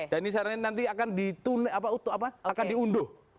dan ini sarannya nanti akan di tune apa utuh apa akan diunduh